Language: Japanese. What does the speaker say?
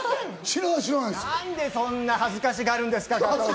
何でそんな恥ずかしがるんですか？